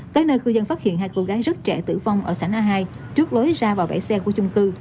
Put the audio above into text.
tới nơi cư dân phát hiện hai cô gái rất trẻ tử vong ở sảnh a hai trước lối ra vào bãi xe của chung cư